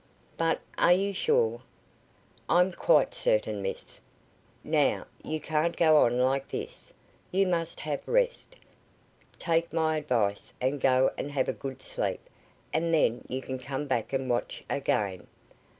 "But, are you sure?" "I'm quite certain, miss. Now, you can't go on like this. You must have rest. Take my advice, and go and have a good sleep, and then you can come and watch again."